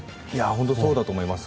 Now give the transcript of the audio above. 本当そうだと思います。